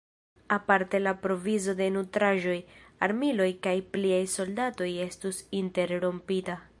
Aparte la provizo per nutraĵoj, armiloj kaj pliaj soldatoj estu interrompita.